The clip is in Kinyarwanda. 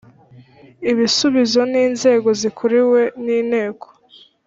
Ibisubizo n inzego zikuriwe n inteko